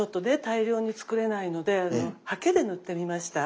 大量に作れないのでハケで塗ってみました。